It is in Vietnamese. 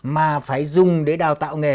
mà phải dùng để đào tạo nghề